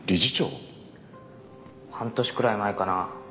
半年くらい前かな。